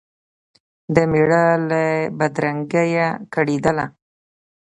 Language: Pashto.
د مېړه له بدرنګیه کړېدله